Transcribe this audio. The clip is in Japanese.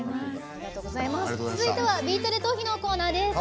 続いては「ビートＤＥトーヒ」のコーナーです。